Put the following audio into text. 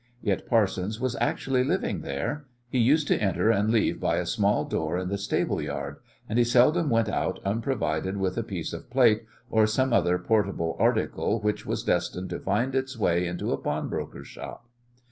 Yet Parsons was actually living there. He used to enter and leave by a small door in the stable yard, and he seldom went out unprovided with a piece of plate or some other portable article which was destined to find its way into a pawnbroker's shop.